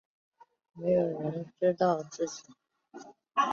没有人知道自己